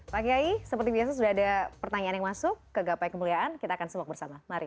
pak kiai seperti biasa sudah ada pertanyaan yang masuk ke gapai kemuliaan kita akan semak bersama mari